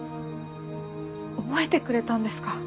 覚えてくれたんですか？